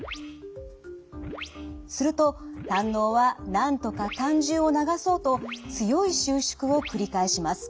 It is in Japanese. すると胆のうはなんとか胆汁を流そうと強い収縮を繰り返します。